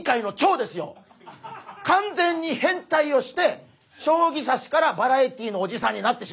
完全に変態をして将棋指しからバラエティーのおじさんになってしまったという。